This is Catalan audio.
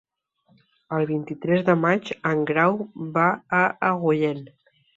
El vint-i-tres de maig en Grau va a Agullent.